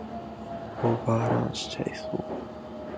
オーバーランしちゃいそう